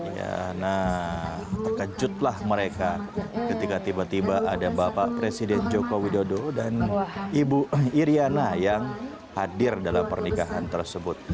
ya nah terkejutlah mereka ketika tiba tiba ada bapak presiden joko widodo dan ibu iryana yang hadir dalam pernikahan tersebut